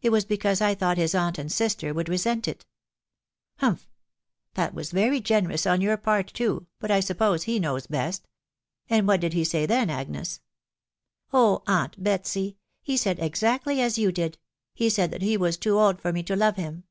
it was because I thought his aunt and sister would resent it ...."" Humph !.•.. That was very generous on your part too ; but I suppose he knows best. ... And what did he say then, Agnes ?"" Oh ! aunt Betsy !... he said exactly as you did .... he said that he was too old for me to love him